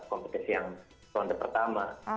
kompetisi yang ronde pertama